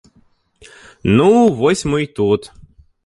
Ну, вось мы і тут.